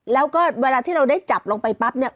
แล้วก็เวลาที่เราได้จับลงไปปั๊บเนี่ย